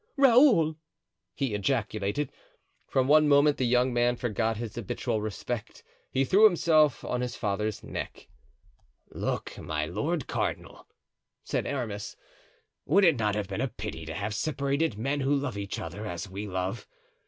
Raoul!" he ejaculated. For one moment the young man forgot his habitual respect—he threw himself on his father's neck. "Look, my lord cardinal," said Aramis, "would it not have been a pity to have separated men who love each other as we love?